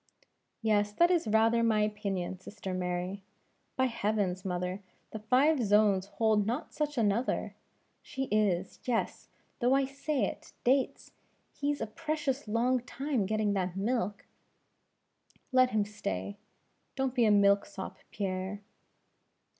"Yes, that is rather my opinion, sister Mary. By heavens, mother, the five zones hold not such another! She is yes though I say it Dates! he's a precious long time getting that milk!" "Let him stay. Don't be a milk sop, Pierre!"